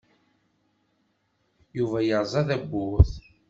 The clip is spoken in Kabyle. Yuba yerẓa-d tawwurt.